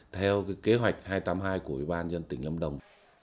theo kế hoạch hai trăm tám mươi hai của ủy ban nhân tỉnh lâm đồng